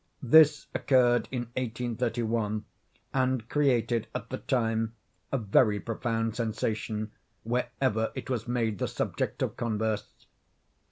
This occurred in 1831, and created, at the time, a very profound sensation wherever it was made the subject of converse.